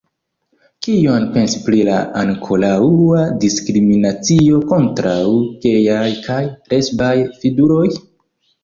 Kion pensi pri la ankoraŭa diskriminacio kontraŭ gejaj kaj lesbaj fiduloj?